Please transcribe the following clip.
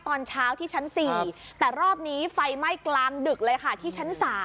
ตอนเช้าที่ชั้น๔แต่รอบนี้ไฟไหม้กลางดึกเลยค่ะที่ชั้น๓